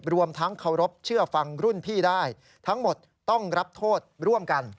รวมทั้งเคารพเชื่อฟังรุ่นพี่ได้ทั้งหมดต้องรับโทษร่วมกัน